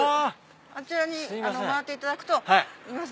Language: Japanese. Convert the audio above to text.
あちらに回っていただくといます